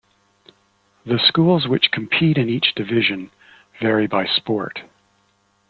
The schools which compete in each division vary by sport.